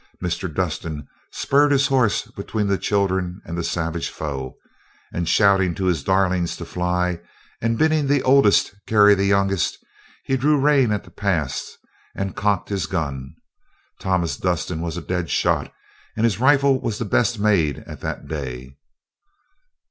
Mr. Dustin spurred his horse between the children and the savage foe, and shouting to his darlings to fly, and bidding the oldest carry the youngest, he drew rein at the pass and cocked his gun. Thomas Dustin was a dead shot, and his rifle was the best made at that day.